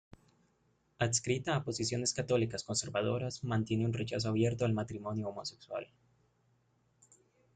Adscrita a posiciones católicas conservadoras, mantiene un rechazo abierto al matrimonio homosexual.